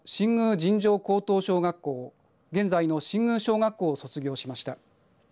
尋常高等小学校現在の新宮小学校を卒業しました。